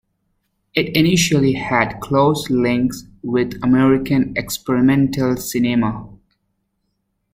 It initially had close links with American experimental cinema.